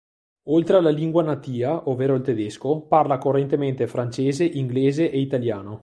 Oltre alla lingua natia, ovvero il tedesco, parla correntemente francese, inglese e italiano.